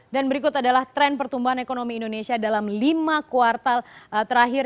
dan berikut adalah tren pertumbuhan ekonomi indonesia dalam lima kuartal terakhir